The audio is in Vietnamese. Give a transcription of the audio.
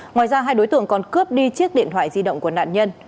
ngoài ra hai đối tượng còn cướp đi chiếc điện thoại di động của nạn nhân